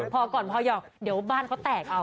พอก่อนพอหยอกเดี๋ยวบ้านเขาแตกเอา